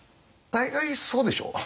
大概そうでしょう。